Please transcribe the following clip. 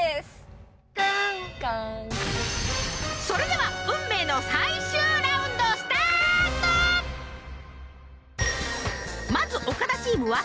それでは運命の最終ラウンドスタート！